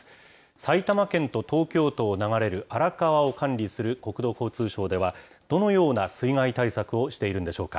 埼玉県と東京都を流れる荒川を管理する国土交通省では、どのような水害対策をしているんでしょうか。